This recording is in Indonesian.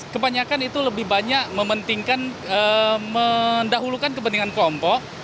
kebanyakan itu lebih banyak memendahulukan kepentingan kelompok